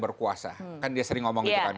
berkuasa kan dia sering ngomong gitu kan